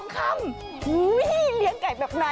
กุ๊ก